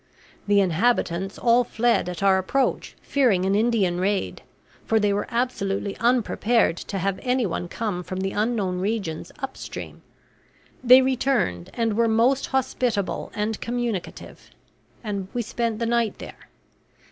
The inhabitants all fled at our approach, fearing an Indian raid; for they were absolutely unprepared to have any one come from the unknown regions up stream. They returned and were most hospitable and communicative; and we spent the night there.